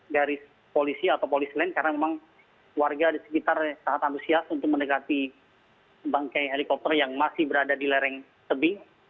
garis polisi atau polisi lain karena memang warga di sekitar sangat antusias untuk mendekati bangke helikopter yang masih berada di lereng tebing